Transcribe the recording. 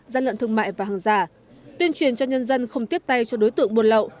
gian lận thương mại và hàng giả tuyên truyền cho nhân dân không tiếp tay cho đối tượng buôn lậu